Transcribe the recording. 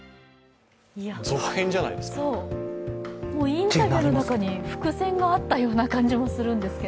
インタビューの中に伏線があったような感じもするんですけど。